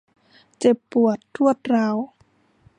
เจ็บปวดรวดร้าว